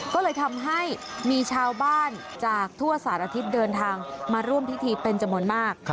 ก็เลยทำให้มีชาวบ้านจากทั่วสารทิศเดินทางมาร่วมพิธีเป็นจำนวนมาก